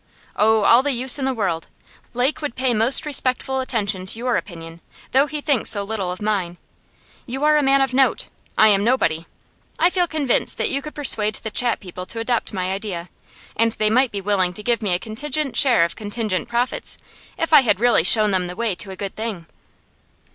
'Oh, all the use in the world. Lake would pay most respectful attention to your opinion, though he thinks so little of mine. You are a man of note, I am nobody. I feel convinced that you could persuade the Chat people to adopt my idea, and they might be willing to give me a contingent share of contingent profits, if I had really shown them the way to a good thing.